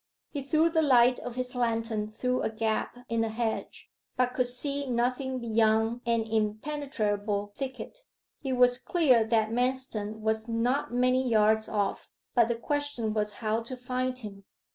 He threw the light of his lantern through a gap in the hedge, but could see nothing beyond an impenetrable thicket. It was clear that Manston was not many yards off, but the question was how to find him.